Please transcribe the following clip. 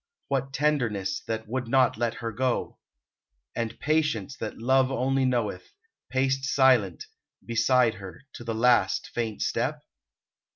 What tenderness that would not let her go? And patience that Love only knoweth, paced Silent, beside her, to the last, faint step?